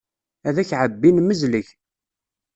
Ad ak-ɛebbin, mezleg.